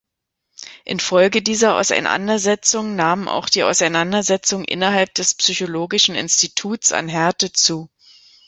Infolge dieser Auseinandersetzungen nahmen auch die Auseinandersetzungen innerhalb des Psychologischen Instituts an Härte zu.